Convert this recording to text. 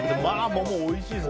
桃、おいしいですね。